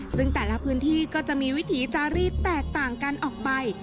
ซึ่งแต่ละพื้นที่ก็จะมีวิถีจารีดแตกต่างกันออกไป